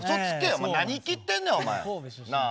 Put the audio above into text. お前何イキってんねんお前なあ。